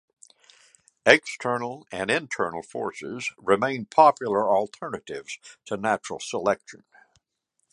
External and internal forces remained popular alternatives to natural selection.